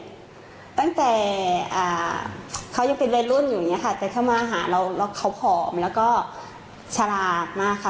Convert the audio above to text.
ตั้งแต่เขายังเป็นวัยรุ่นอยู่อย่างนี้ค่ะแต่ถ้ามาหาเราแล้วเขาผอมแล้วก็ฉลาดมากค่ะ